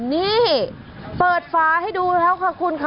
นี่เปิดฟ้าให้ดูแล้วค่ะคุณค่ะ